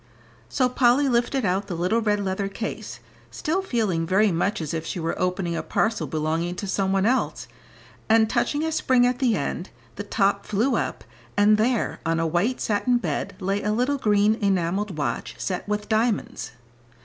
So Polly lifted out the little red leather case, still feeling very much as if she were opening a parcel belonging to some one else, and touching a spring at the end, the top flew up, and there on a white satin bed lay a little green enamelled watch set with diamonds.